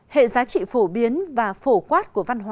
hệ giá trị phổ biến và phổ quát của văn hóa